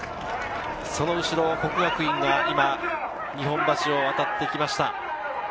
その後ろ、國學院が日本橋を渡ってきました。